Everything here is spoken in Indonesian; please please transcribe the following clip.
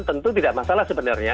tentu tidak masalah sebenarnya